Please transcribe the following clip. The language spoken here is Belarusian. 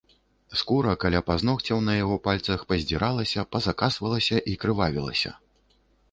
Скура каля пазногцяў на яго пальцах паздзіралася, пазакасвалася і крывавілася.